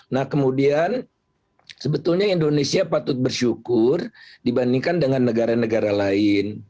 nah kemudian sebetulnya indonesia patut bersyukur dibandingkan dengan negara negara lain